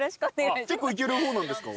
結構いける方なんですか？